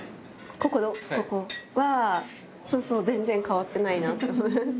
ここは、そうそう全然変わってないなと思いました。